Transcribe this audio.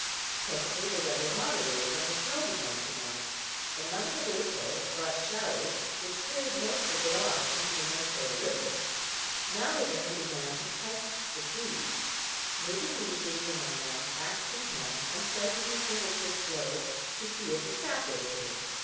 Presently the weather moderated and the snow began to melt. The month of April brought showers which carried most of it off into the Minnesota river. Now the women began to test the trees moving leisurely among them, axe in hand, and striking a single quick blow, to see if the sap would appear.